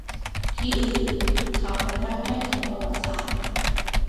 ที่อื่น : ข่าวเป็นร่างแรกของประวัติศาสตร์